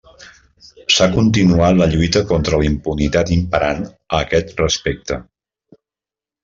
S'ha continuat la lluita contra la impunitat imperant a aquest respecte.